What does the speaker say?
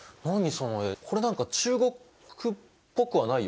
その絵これ何か中国っぽくはないよね。